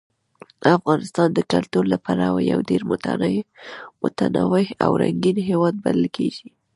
افغانستان د کلتور له پلوه یو ډېر متنوع او رنګین هېواد بلل کېږي.